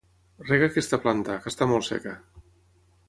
Rega aquesta planta, que està molt seca.